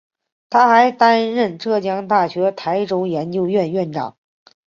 他还担任浙江大学台州研究院院长。